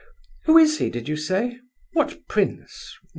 Who is he, did you say? What prince?